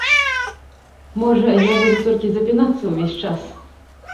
Можа, я буду толькі запінацца ўвесь час?